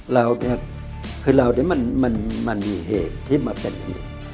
เรานี่มันมีเหตุที่มาเป็นอย่างนี้